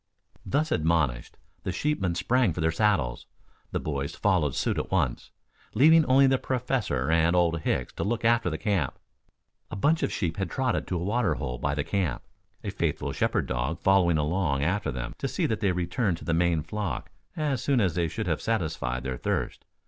Thus admonished, the sheepmen sprang for their saddles. The boys followed suit at once, leaving only the Professor and Old Hicks to look after the camp. A bunch of sheep had trotted to a water hole hard by the camp, a faithful shepherd dog following along after them to see that they returned to the main flock as soon as they should have satisfied their thirst.